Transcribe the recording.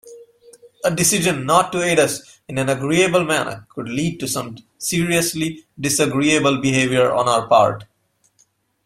A decision not to aid us in an agreeable manner could lead to some seriously disagreeable behaviour on our part.